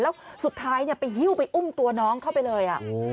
แล้วสุดท้ายไปหิ้วไปอุ้มตัวน้องเข้าไปเลย